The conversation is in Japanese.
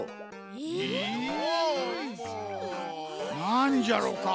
なんじゃろか？